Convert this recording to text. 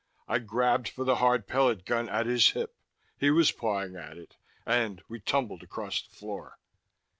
I grabbed for the hard pellet gun at his hip he was pawing at it and we tumbled across the floor.